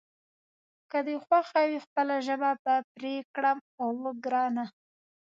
که دې خوښه وي خپله ژبه به پرې کړم، اوه ګرانه.